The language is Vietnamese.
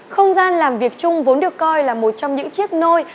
không gian làm việc chung vốn được coi là một trong những chiếc nôi